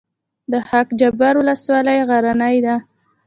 د خاک جبار ولسوالۍ غرنۍ ده